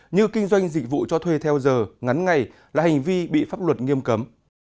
như kinh doanh dịch vụ cho thuê theo giờ ngắn ngày là hành vi bị pháp luật nghiêm cấm